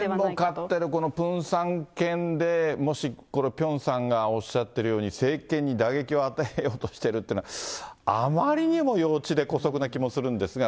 なんでも、このプンサン犬で、もしこれ、ピョンさんがおっしゃっているように、政権に打撃を与えようとしてるというのは、あまりにも幼稚で、こそくな気もするんですが。